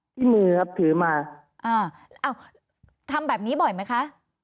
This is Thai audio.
ที่มือครับถือมาอ่าอ้าวทำแบบนี้บ่อยไหมคะ